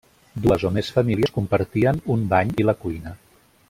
Dues o més famílies compartien un bany i la cuina.